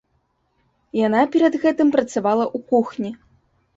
Яна перад гэтым працавала ў кухні.